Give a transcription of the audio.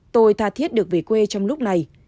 tôi thà thiết được về quê trong lúc này